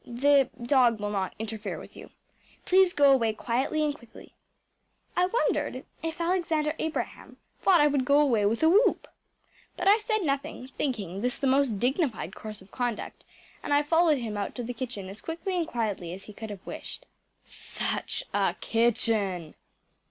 the dog will not interfere with you. Please go away quietly and quickly.‚ÄĚ I wondered if Alexander Abraham thought I would go away with a whoop. But I said nothing, thinking this the most dignified course of conduct, and I followed him out to the kitchen as quickly and quietly as he could have wished. Such a kitchen!